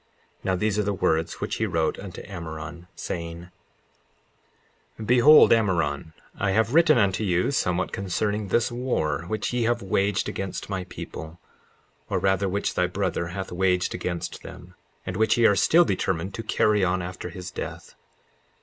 Now these are the words which he wrote unto Ammoron, saying: 54:5 Behold, Ammoron, I have written unto you somewhat concerning this war which ye have waged against my people, or rather which thy brother hath waged against them, and which ye are still determined to carry on after his death.